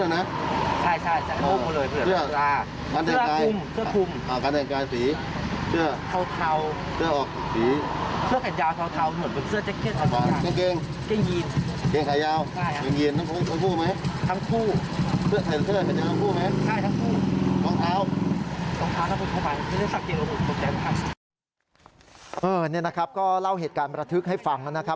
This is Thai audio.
นี่นะครับก็เล่าเหตุการณ์ประทึกให้ฟังนะครับ